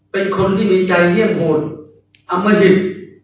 เป็นคนที่มีใจเฮี่ยงหวนอำมฮิต